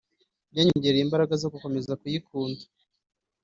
byanyongereye imbaraga zo gukomeza kuyikunda